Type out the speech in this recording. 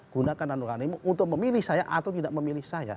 gunakanlah nuranimu untuk memilih saya atau tidak memilih saya